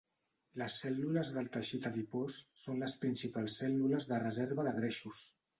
Les cèl·lules del teixit adipós són les principals cèl·lules de reserva de greixos.